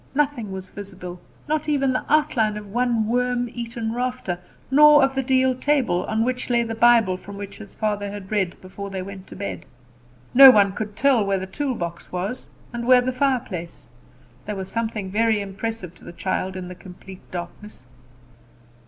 Nothing was visible, not even the outline of one worm eaten rafter, nor of the deal table, on which lay the Bible from which his father had read before they went to bed. No one could tell where the toolbox was, and where the fireplace. There was something very impressive to the child in the complete darkness.